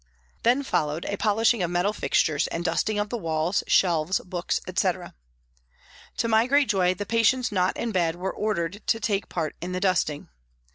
Then followed a polishing of metal fixtures and dusting of the walls, shelves, books, etc. To my great joy, the patients not in bed were ordered to take part in the dusting.